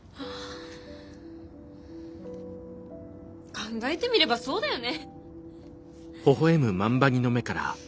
考えてみればそうだよね。